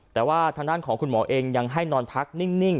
แต่ว่าทางด้านของคุณหมอเองยังให้นอนพักนิ่ง